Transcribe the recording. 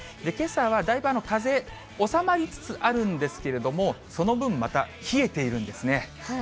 けさはだいぶ風、収まりつつあるんですけれども、その分、また冷えているんですね。